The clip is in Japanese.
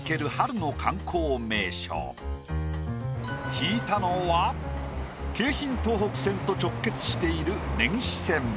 引いたのは京浜東北線と直結している。